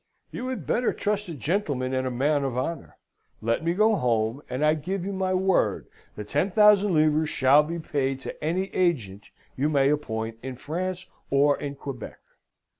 You had better trust a gentleman and a man of honour. Let me go home, and I give you my word the ten thousand livres shall be paid to any agent you may appoint in France or in Quebec.'